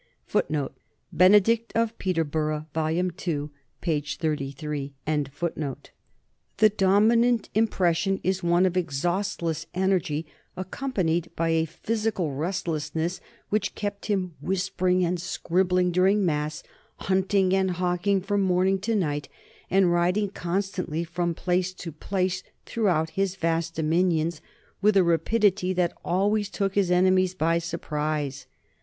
1 The dominant impression is one of exhaustless energy accompanied by a physical restlessness which kept him whispering and scribbling during mass, hunting and hawking from morning to night, and riding constantly from place to place throughout his vast dominions with a rapidity that always took his enemies by surprise.